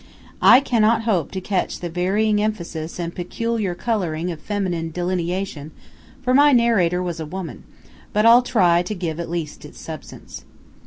I cannot hope to catch the varying emphasis and peculiar coloring of feminine delineation, for my narrator was a woman; but I'll try to give at least its substance.